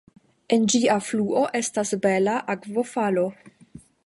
En ĝia fluo estas bela akvofalo.